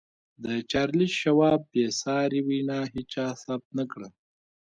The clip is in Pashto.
د چارليس شواب بې ساري وينا هېچا ثبت نه کړه.